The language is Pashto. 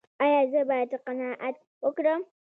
ایا زه باید قناعت وکړم؟